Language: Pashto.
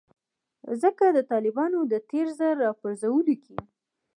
ځکه د طالبانو د تیر ځل راپرځولو کې